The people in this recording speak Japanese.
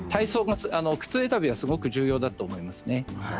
靴選びはすごく重要だと思います。